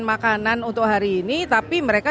makanan untuk hari ini tapi mereka